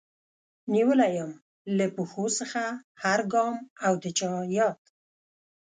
نيولی يم له پښو څخه هر ګام او د چا ياد